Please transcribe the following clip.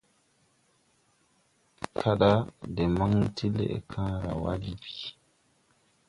Kããɗa de maŋ ti Lɛʼkããwa de bìi.